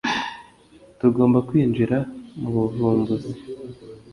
tugomba kwinjira mu buvumbuzi